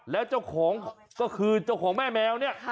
แล้วเจ้าของก็คือเจ้าของแม่แมวเนี่ย